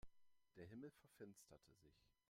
Der Himmel verfinsterte sich.